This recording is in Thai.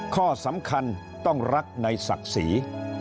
ข้อสำคัญต้องรักในศักดิ์ศรี